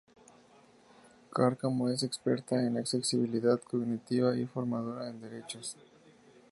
Cárcamo es experta en accesibilidad cognitiva y formadora en derechos.